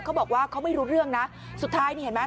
เขาบอกว่าเขาไม่รู้เรื่องนะสุดท้ายนี่เห็นไหม